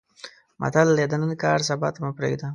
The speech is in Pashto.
متل دی: د نن کار سبا ته مه پرېږده.